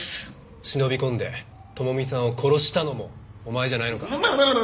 忍び込んで智美さんを殺したのもお前じゃないのか？